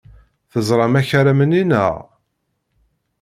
Teẓram akaram-nni, naɣ?